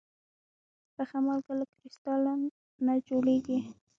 پخه مالګه له کريستال نه جوړېږي.